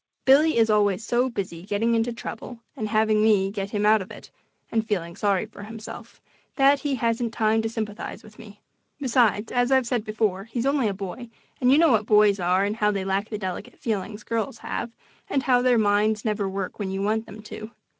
Billy is always so busy getting into trouble and having me get him out of it, and feeling sorry for himself, that he hasn't time to sympathize with me. Besides, as I've said before, he's only a boy, and you know what boys are and how they lack the delicate feelings girls have, and how their minds never work when you want them to.